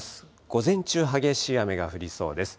午前中、激しい雨が降りそうです。